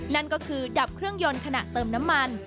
นั่นก็คือดับเครื่องยนต์ขณะเติมน้ำมัน